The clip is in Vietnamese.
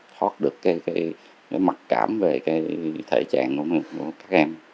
thoát được cái mặc cảm về cái thể trạng của các em